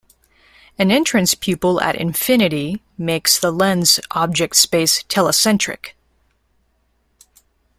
An entrance pupil at infinity makes the lens object-space telecentric.